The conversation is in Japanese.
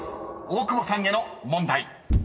大久保さんへの問題］